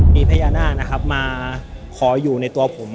พี่พญานาคมาขออยู่ในตัวผม